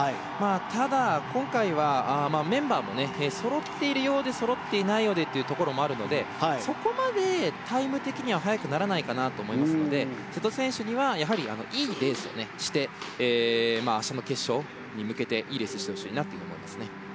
ただ、今回はメンバーもそろっているようでそろっていないようでというところもあるのでそこまでタイム的には速くならないかなと思いますので瀬戸選手にはいいレースをして明日の決勝に向けていいレースをしてほしいですね。